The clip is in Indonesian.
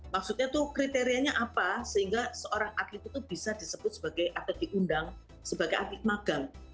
maksudnya itu kriterianya apa sehingga seorang atlet itu bisa disebut sebagai atlet diundang sebagai atlet magang